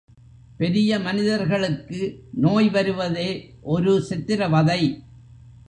பெரிய மனிதர்களுக்கு நோய் வருவதே ஒரு சித்திரவதை!